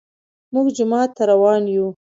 موږ جومات ته روان يو